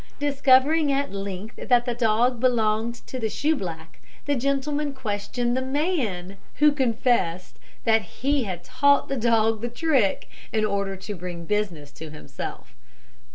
Discovering at length that the dog belonged to the shoeblack, the gentleman questioned the man, who confessed that he had taught the dog the trick in order to bring business to himself.